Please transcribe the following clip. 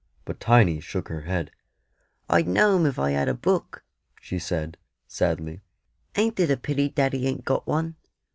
But Tiny shook her head. "I'd know 'em if I had a book," she said, sadly; "ain't it a pity daddy ain't got one?"